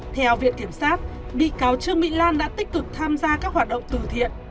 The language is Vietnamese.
theo viện kiểm sát bị cáo trương mỹ lan đã tích cực tham gia các hoạt động từ thiện